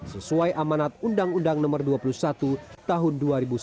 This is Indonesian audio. sesuai amanat undang undang no dua puluh satu tahun dua ribu sembilan